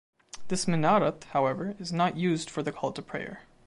This minaret, however, is not used for the call to prayer.